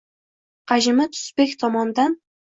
hajmi subyekt tomonidan